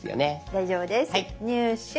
大丈夫です「入手」。